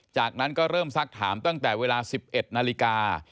จากนั้นก็เริ่มซักถามตั้งแต่เวลา๑๑นาฬิกา